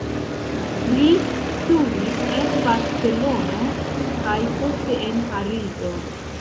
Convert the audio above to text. Li studis en Barcelono kaj poste en Parizo.